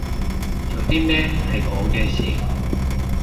做啲咩係我嘅事